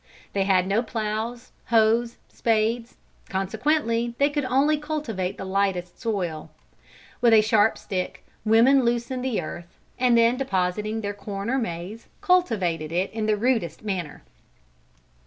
They had no ploughs, hoes, spades, consequently they could only cultivate the lightest soil. With a sharp stick, women loosened the earth, and then depositing their corn or maize, cultivated it in the rudest manner.